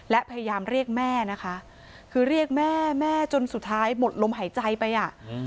และพยายามเรียกแม่นะคะคือเรียกแม่แม่จนสุดท้ายหมดลมหายใจไปอ่ะ